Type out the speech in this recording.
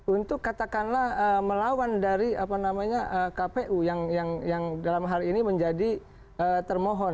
untuk katakanlah melawan dari kpu yang dalam hal ini menjadi termohon